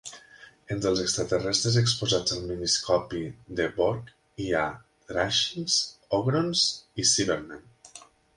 Entre els extraterrestres exposats al miniscopi de Vorg hi ha: Drashigs, Ogrons i Cybermen.